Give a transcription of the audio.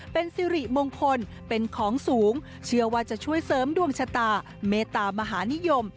เป็นสิริมงคลเป็นของสูงเชื่อว่าจะช่วยเสริมดวงชะตาเมตามหานิยม